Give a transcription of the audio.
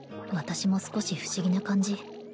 私も少し不思議な感じ